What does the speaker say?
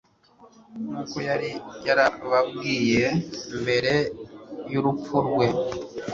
nk'uko yari yarababwiye mbere y'urupfu rwe.